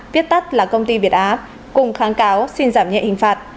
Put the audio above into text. viết tắt là công ty việt á cùng kháng cáo xin giảm nhẹ hình phạt